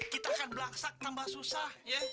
kita akan berlaksak tambah susah ya